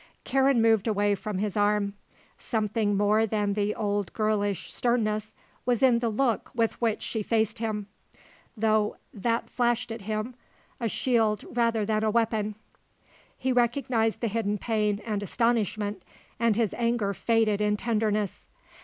Karen moved away from his arm. Something more than the old girlish sternness was in the look with which she faced him, though that flashed at him, a shield rather than a weapon. He recognised the hidden pain and astonishment and his anger faded in tenderness.